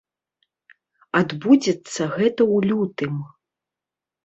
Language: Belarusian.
Адбудзецца гэта ў лютым.